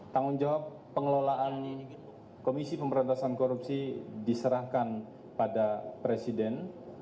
tanggung jawab pengelolaan komisi pemberantasan korupsi diserahkan pada presiden